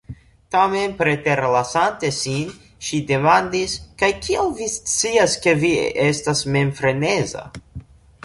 Tamen, preterlasante sin, ŝi demandis "kaj kiel vi scias ke vi estas mem freneza?"